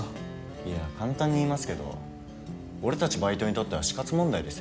いや簡単に言いますけど俺たちバイトにとっては死活問題ですよ。